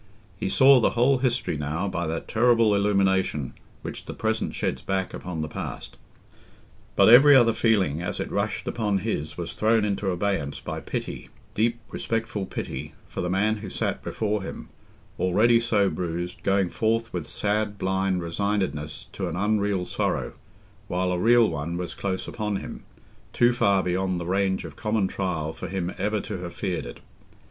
He saw the whole history now by that terrible illumination which the present sheds back upon the past. But every other feeling as it rushed upon him was thrown into abeyance by pity, deep respectful pity, for the man who sat before him—already so bruised, going forth with sad blind resignedness to an unreal sorrow, while a real one was close upon him, too far beyond the range of common trial for him ever to have feared it.